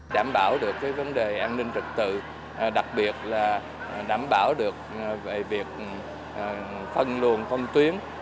đảm bảo được cái vấn đề an ninh trực tự đặc biệt là đảm bảo được về việc phân luồn không tuyến